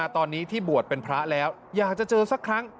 ตอนนี้ที่บวชเป็นพระแล้วอยากจะเจอสักครั้ง